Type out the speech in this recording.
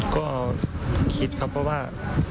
ก็คิดครับว่า